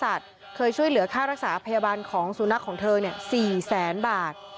นักศัตริย์เคยช่วยเหลือค่ารักษาพยาบาลของศูนักของเธอ๔แสนบาท